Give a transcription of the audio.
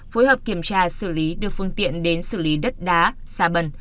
phối hợp kiểm tra xử lý đưa phương tiện đến xử lý đất đá xa bần